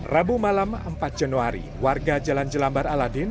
rabu malam empat januari warga jalan jelambar aladin